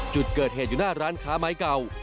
จุดเกิดเหตุอยู่หน้าร้านค้าไม้เก่า